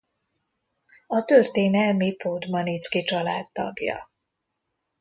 A történelmi Podmaniczky család tagja.